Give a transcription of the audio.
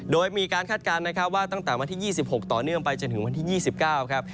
โดยมีการคาดการณ์นะครับว่าตั้งแต่วันที่๒๖ต่อเนื่องไปจนถึงวันที่๒๙ครับ